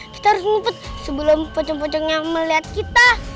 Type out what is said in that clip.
kita harus ngumpet sebelum pocong pocongnya melihat kita